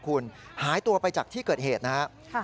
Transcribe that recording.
คุณหายตัวไปจากที่เกิดเหตุนะครับ